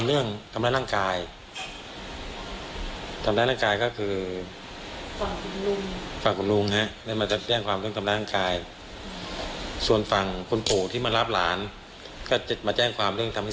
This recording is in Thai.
โดยการที่ลุงเข้าทุบกระจกรถ